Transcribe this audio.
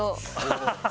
ハハハハ！